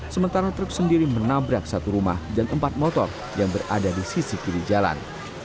sementara truk sendiri menabrak satu rumah dan empat motor yang berada di sisi kiri jalan